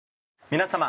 皆様。